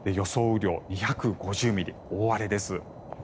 雨量２５０ミリ大荒れです。